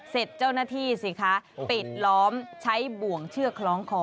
เจ้าหน้าที่สิคะปิดล้อมใช้บ่วงเชือกคล้องคอ